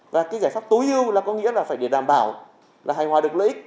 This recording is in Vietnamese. và cái giải pháp tối hưu là có nghĩa là phải để đảm bảo là hành hòa được lợi ích